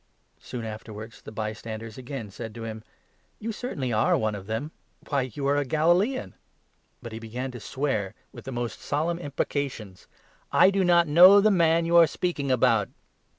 Soon afterwards the by standers again said to him :" You certainly are one of them ; why, you are a Galilean !" But he began to swear with the most solemn imprecations :" I do not know the man you are speaking about."